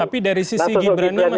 tapi dari sisi gibran ya mas jokowi